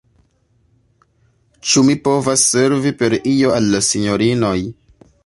Ĉu mi povas servi per io al la sinjorinoj?